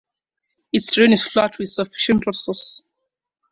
Its terrain is flat with sufficient water source.